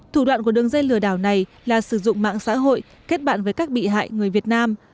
thủ đoạn của đường dây lừa đảo này là sử dụng mạng xã hội kết bạn với các bị hại người việt nam